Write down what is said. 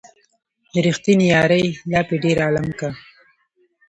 د ريښتينې يارۍ لاپې ډېر عالم کا